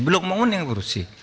belum ngomong sudah diintrupsi